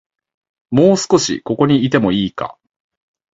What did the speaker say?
もう少し、ここにいてもいいか